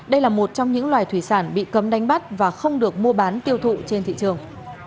đây là một trong những loài thủy sản bị cấm đánh bắt và không được mua bán tiêu thụ trên thị trường